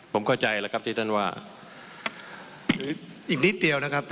ผมก็ทีแจงกับ